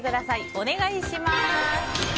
お願いします。